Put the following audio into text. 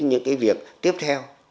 những cái việc tiếp theo